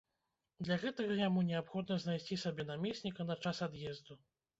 Для гэтага яму неабходна знайсці сабе намесніка на час ад'езду.